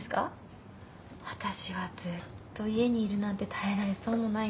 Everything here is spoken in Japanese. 私はずっと家にいるなんて耐えられそうもないな。